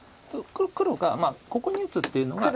黒がここに打つっていうのが。